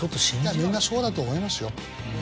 いやみんなそうだと思いますよ。